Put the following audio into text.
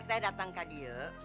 pak haji saya datang ke dia